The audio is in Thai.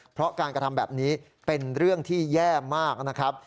เพราะการกระทำแบบนี้เป็นเรื่องที่แย่มากนะครับ